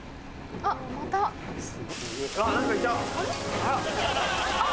あっまた。